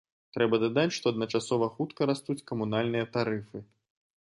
Трэба дадаць, што адначасова хутка растуць камунальныя тарыфы.